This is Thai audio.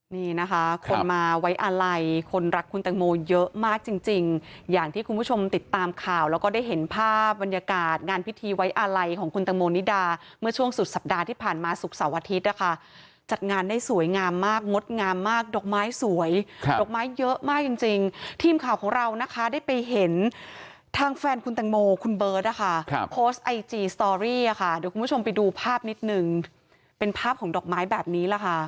นี่นะคะคนมาไว้อาลัยคนรักคุณตังโมเยอะมากจริงอย่างที่คุณผู้ชมติดตามข่าวแล้วก็ได้เห็นภาพบรรยากาศงานพิธีไว้อาลัยของคุณตังโมนิดาเมื่อช่วงสุดสัปดาห์ที่ผ่านมาศุกร์เสาร์อาทิตย์นะคะจัดงานได้สวยงามมากงดงามมากดอกไม้สวยดอกไม้เยอะมากจริงทีมข่าวของเรานะคะได้ไปเห็นทางแฟนคุณตังโมคุณเบิ